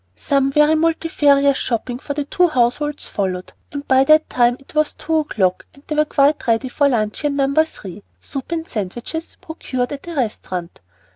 Some very multifarious shopping for the two households followed, and by that time it was two o'clock and they were quite ready for luncheon No. 3, soup and sandwiches, procured at a restaurant.